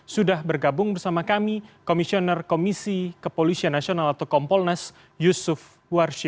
sudah bergabung bersama kami komisioner komisi kepolisian nasional atau kompolnas yusuf warshim